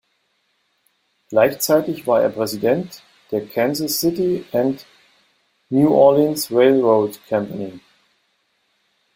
Gleichzeitig war er Präsident der Kansas City and New Orleans Railroad Company.